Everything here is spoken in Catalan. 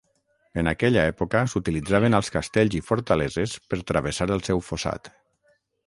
En aquella època s'utilitzaven als castells i fortaleses per travessar el seu fossat.